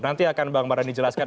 nanti akan bang mardhani jelaskan